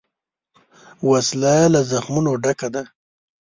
وسله له زخمونو ډکه ده